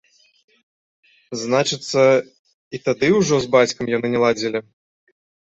Значыцца, і тады ўжо з бацькам яны не ладзілі.